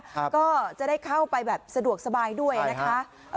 ครับก็จะได้เข้าไปสะดวกสบายด้วยนะคะใช่ค่ะ